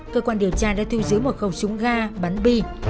cơ quan điều tra đã thu giữ một khẩu súng ga bắn bi